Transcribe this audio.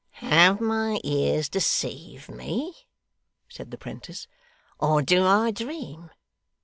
'Have my ears deceived me,' said the 'prentice, 'or do I dream!